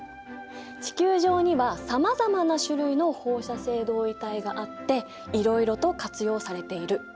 地球上にはさまざまな種類の放射性同位体があっていろいろと活用されている。